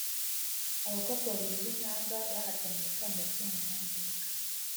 abakobwa babiri b’impanga bahataniye ikamba rya Nyampinga